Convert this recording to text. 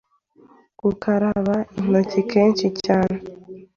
gukaraba intoki kenshi cyane